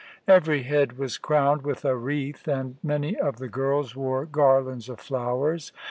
Every head was crowned with a wreath, and many of the girls wore garlands of flowers.